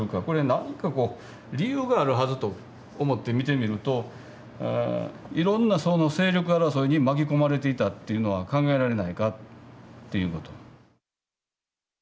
これ何かこう理由があるはずと思って見てみるといろんな勢力争いに巻き込まれていたっていうのは考えられないかっていうのと。